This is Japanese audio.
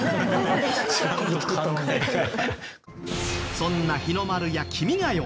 そんな日の丸や『君が代』。